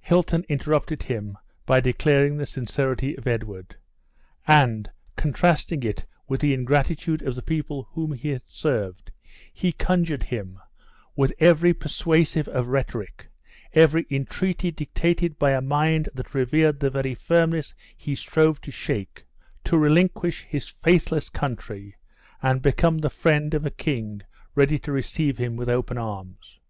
Hilton interrupted him by declaring the sincerity of Edward; and, contrasting it with the ingratitude of the people whom he had served, he conjured him, with every persuasive of rhetoric, every entreaty dictated by a mind that revered the very firmness he strove to shake, to relinquish his faithless country, and become the friend of a king ready to receive him with open arms.